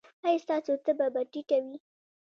ایا ستاسو تبه به ټیټه وي؟